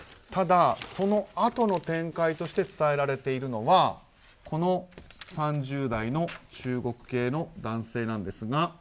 ただそのあとの展開として伝えられているのがこの３０代の中国系の男性ですが。